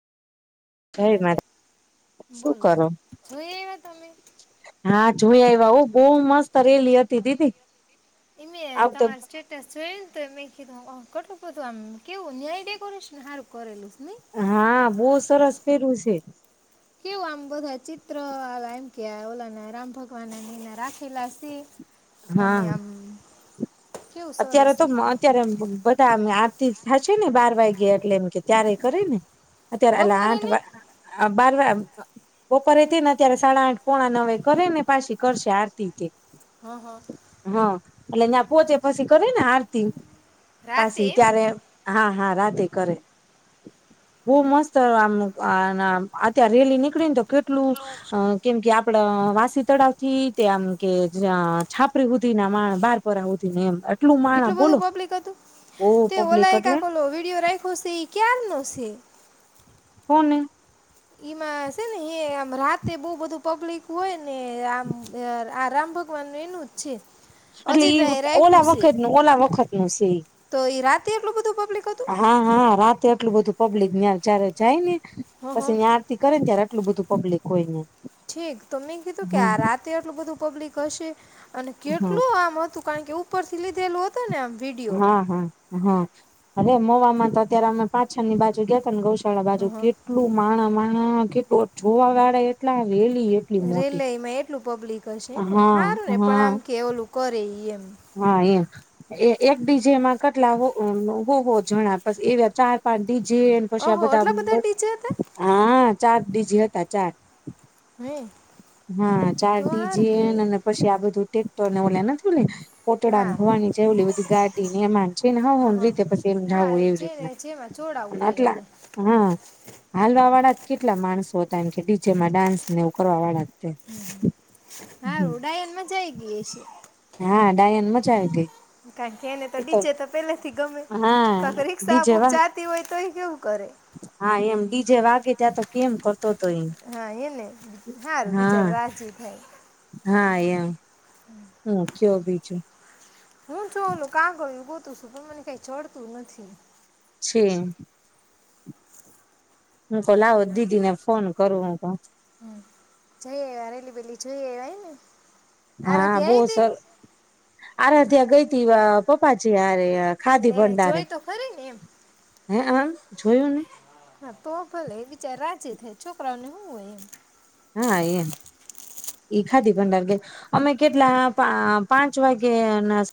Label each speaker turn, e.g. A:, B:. A: જી માતા
B: શું
A: બોલો
B: કરું?
A: જોઈ આવ્યા તમે
B: હા, જોય આવ્યાં, હું બહ મસ્ત રેલ યત. દીધી.
A: એમે, તમારે સ્ટેટસ જોયું ને, તો એ મેં કીધું ઓ. કેટલું બધું આમ કેવું, ન્યાય ડેકોરેશન સારું કરેલું. નહીં
B: હા, બહુ સરસ પેરુ છે.
A: કેવું આમ બધા ચિત્ર, એમ કે ઓલાને રામ ભગવાનને રાખેલા સ
B: હા
A: અને આમ. કેવું
B: અત્યારે
A: સરસ
B: તો
A: હતું
B: અત્યારે બધા બાર વાગ્યા, એટલે એમ કે ત્યારે કરે ને. અત્યારે આલા
A: બપોરે
B: આઠ
A: નહીં
B: આ બાર. બપોરે તેને અત્યારે સાડા આઠ, પોણા નવે કરે ને પાછી કરશે આરતી થી.
A: હા હા.
B: ને ઐયા પહો પછી કરે ને આરતી.
A: રાતે
B: પાછી ત્યારે હા હા રાતે કરે હું મસ્ત આમ અત્યારે રેલી નીકળી ને તો. કેટલું કેમ કે આપ. વાસી તળાવ થી તે આમ કે જ્યા છાપરી હુદી ના માણ બહાર પરા [unintelligible]
A: એટલું
B: બોલો
A: બધું પબ્લિક હતું?
B: બહુ
A: તે
B: પબ્લિક
A: ઓલાએ એ
B: એટલે
A: કાંક ઓલો વિડીયો રાયખો સી એ કીયાર નો સે?
B: કોને?
A: એમાં સે ને એ આમ રાતે બહુ બધું પબ્લિક હોય ને, આમ આ રામ ભગવાનનું, એનું જ છે.
B: એટલે ઈ
A: અજીતભાઈ
B: એ
A: રાખ્યું
B: ઓલા
A: છે
B: વખતનું, ઓલા વખતનું સે ઈ.
A: તો એ રાતે એટલું બધું પબ્લિક હતું
B: હા હા રાતે આટલું બધું પબ્લિક ન્યાં જયારે જાય ને
A: હ હ
B: પછી ની આરતી કરે ને ત્યારે એટલું બધું પબ્લિક હોય ન્યાં.
A: ઠીક, તો મેં કીધું, કે આ રાતે આટલું બધું પબ્લિક ક હશે? અને
B: હા
A: કેટલું આમ હતું, કારણ કે ઉપરથી લીધેલું હતું [unintelligible]
B: હા, હા, હા. અરે મોવામાં તો અત્યારે અમે પાછળની બાજુ ગ્યાતા ને ગૌશ શાળા બાજુ
A: હ
B: કેટલું માણહ મા હા, કે તો જોવાવાળા એટલા [unintelligible] લી એટલી મોટી
A: રેલવેમાં એટલું પબ્લિક હશે ને,
B: હા
A: હારું ને પણ
B: હા
A: આમ કે ઓલું કરે ઈ એમ
B: હા એમ એ એક ડી જેમાં કટલા હો, હો હો જણા પછ એવા ચાર પાંચ ડિ જે ન પછી આ
A: ઓહો
B: બધા
A: એટલા ડીજે હતા
B: હા ચાર ડી જે હતા ચાર.
A: હમ.
B: હા, ચાર ડી જે ન ને પછી આ બધું ટેક્ટર ને, ઓલ્યા નથી ઓલી કોટડાને
A: હા
B: ભવાની જેવલી બધી ગાડી ને એમાં છે ને હૌ હૌ
A: હા
B: ની
A: હા
B: રીતે પછી એમ
A: હા
B: જાવું હો, એ
A: જે
B: રીતના
A: જેમાં જોડાવવું હોય
B: આટલા,
A: એમને
B: હા હાલવાવાળા જ કેટલા માણસો હતા [unintelligible] કે ડી જે માં ડાન્સ ને એવું કરવા વાળા તે
A: હ
B: હમ
A: હારૂ, ડાયાન મઝા આઈ ગઈ હશે.
B: ડાયાન મઝા આવી ગઈ.
A: કારણ કે એને તો ડી જે તો પેલાથી ગમે, કાંક
B: હા
A: રીક્ષા
B: ડીજે
A: કોક
B: વાગ
A: જાતી હોય તો એ કેવું કરે
B: હા એમ ડીજે વાગે ત્યાં તો કેમ કરતો હતો એ
A: હા, એને. હા બિચાર રાજી ય થાય.
B: હા, એમ હમ્મ કયો બીજું.
A: હું [unintelligible] નું કાં ગયું? ગોત ગોતું છું, પણ મને કાંઈ જડતું નથી.
B: છે. હું કો લાવો દીદીને ફોન કરું, હું કો.
A: હમ, જઈ આયવા, રેલી બેેલી જોઈ આયવા ઈમ ને!
B: હા.
A: આરતી
B: બો
A: આવી હતી
B: સર, અરે ત્યાં ગઈ તી વા, પપ્પાજી હારે. ખાદી
A: લે નઈં, જોય તો ખરી ને, એમ.
B: હેં, આમ જોયુંને!
A: હા તો, એ ભલે બિચાર રાજી થાય, છોકરાઓને હું હોય એમ.
B: હા એમ, ઈ ખાદી ભંડાર ગઈ. અમે કેટલા પાં પાંચ વાગે ના